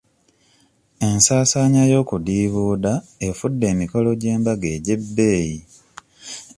Ensaasaanya y'okudiibuuda efudde emikolo gy'embaga egy'ebbeeyi.